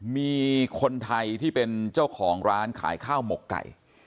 มีคนไทยที่เป็นเจ้าของร้านขายข้าวหมกไก่